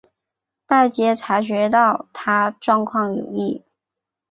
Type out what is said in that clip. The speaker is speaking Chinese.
大家察觉到她状况有异